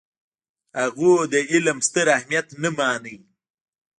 هغوی د علم ستر اهمیت نه منلو.